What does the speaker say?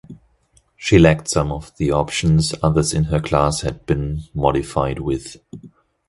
She lacked some of the options others in her class had been modified with.